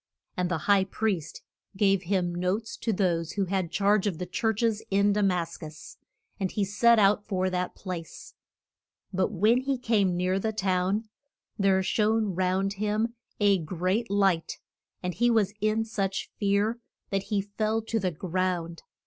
And the high priest gave him notes to those who had charge of the church es in Da mas cus, and he set out for that place. But when he came near the town there shone round him a great light, and he was in such fear that he fell to the ground.